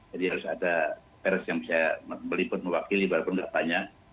jadi harus ada fairs yang bisa meliput mewakili bahkan pendapatannya